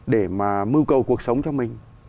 để mà mưu cầu cuộc sống cho mình